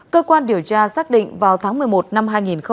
cơ quan điều tra xác định vào tháng một mươi một năm hai nghìn hai mươi một